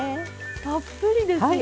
たっぷりですね。